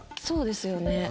そうですよね。